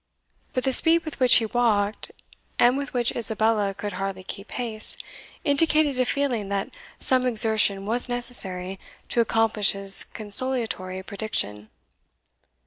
But the speed with which he walked, and with which Isabella could hardly keep pace, indicated a feeling that some exertion was necessary to accomplish his consolatory prediction.